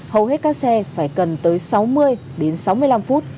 hầu hết các xe phải cần tới sáu mươi đến sáu mươi năm phút